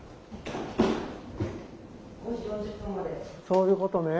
そういうことね。